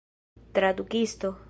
tradukisto